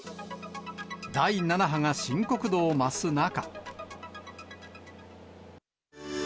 第７波が深刻度を増す中。